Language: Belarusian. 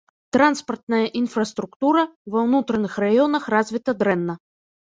Транспартная інфраструктура ва ўнутраных раёнах развіта дрэнна.